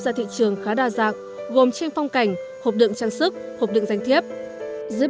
ra thị trường khá đa dạng gồm trên phong cảnh hộp đựng trang sức hộp đựng danh thiếp dưới